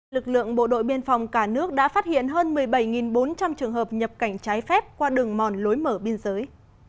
lực lượng bộ đội biên phòng cả nước đã phát hiện hơn một mươi bảy bốn trăm linh trường hợp nhập cảnh trái phép qua đường mòn lối mở biên giới